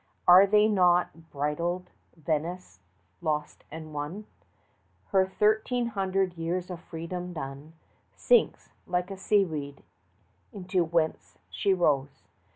Are they not bridled? Venice, lost and won, Her thirteen hundred years of freedom done, 50 Sinks, like a seaweed, into whence she rose!